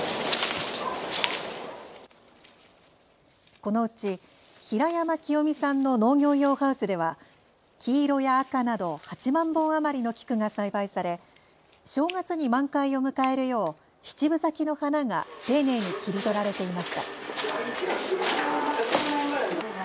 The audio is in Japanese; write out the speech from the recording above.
このうち平山清海さんの農業用ハウスでは黄色や赤など８万本余りの菊が栽培され、正月に満開を迎えるよう７分咲きの花が丁寧に切り取られていました。